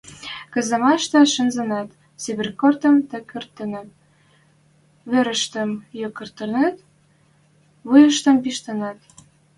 казематышты шӹнзенӹт, Сибирь корным такыртенӹт, вӹрӹштӹм йоктаренӹт, вуйыштым пиштенӹт.